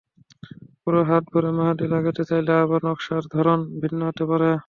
পুরো হাত ভরে মেহেদি লাগাতে চাইলে আবার নকশার ধরন ভিন্ন হতে পারে।